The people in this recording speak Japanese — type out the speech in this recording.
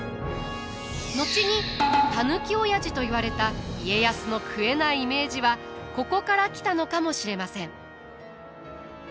後にたぬきオヤジといわれた家康の食えないイメージはここから来たのかもしれません。